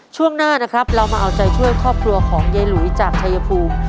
ช่วงหน้านะครับเรามาเอาใจช่วยครอบครัวของยายหลุยจากชายภูมิ